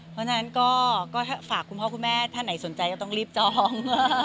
เพราะฉะนั้นก็ฝากคุณพ่อคุณแม่ท่านไหนสนใจก็ต้องรีบจอง